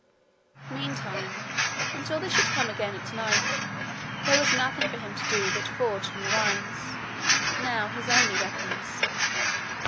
Meantime, until they should come again at night, there was nothing for him to do but forge new rhymes, now his only weapons.